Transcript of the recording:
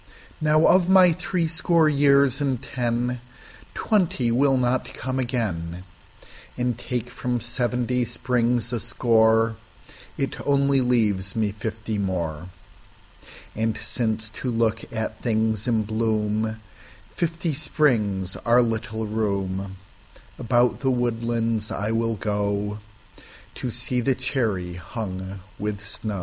Now, of my threescore years and ten, Twenty will not come again, And take from seventy springs a score, It only leaves me fifty more. And since to look at things in bloomFifty springs are little room, About the woodlands I will goTo see the cherry hung with snow.